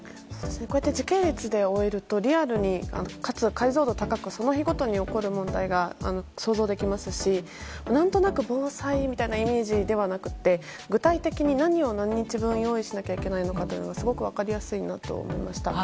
こうやって時系列で追えるとリアルに解像度高くその日ごとに起こる問題が想像できますし何となく防災みたいなイメージではなくて具体的に何を何日分用意しなきゃいけないかというのがすごく分かりやすいなと思いました。